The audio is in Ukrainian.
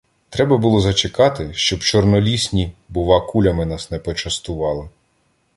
Треба було зачекати, щоб чорнолісні, бува, кулями нас не почастували.